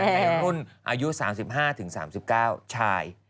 ในรุ่นอายุ๓๕ถึง๓๙ชาย